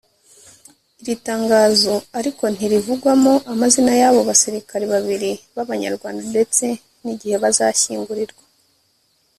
Iri tangazo ariko ntirivugwamo amazina y’abo basirikare babiri b’Abanyarwanda ndetse n’igihe bazashyingurirwa